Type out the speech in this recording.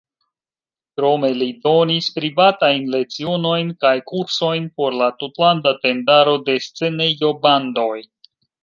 Krome li donis privatajn lecionojn kaj kursojn por la Tutlanda Tendaro de Scenejo-Bandoj.